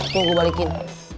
tuh gue balikin